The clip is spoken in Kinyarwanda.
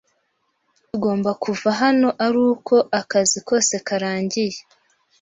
Tugomba kuva hano aruko akazi kose karangiye.